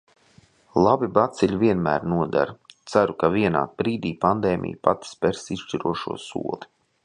Labi baciļi vienmēr noder. Ceru, ka vienā brīdī pandēmija pati spers izšķirošo soli.